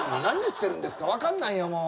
何言ってるんですか分かんないよ